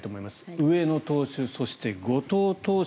上野投手、そして後藤投手